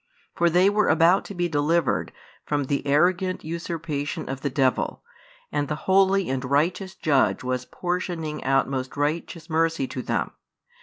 For they were about to be delivered from the arrogant usurpation of the devil, and the Holy and Righteous Judge was portioning out most righteous mercy to them.